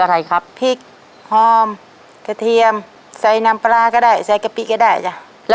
พริกคลอมกระเทียมใส่น้ำปลาก็ได้ใส่กะปิก็ได้อ่ะจ๊ะ